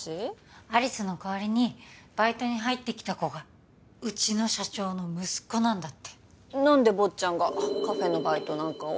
有栖の代わりにバイトに入ってきた子がうちの社長の息子なんだって何で坊ちゃんがカフェのバイトなんかを？